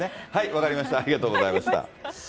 分かりました、ありがとうございました。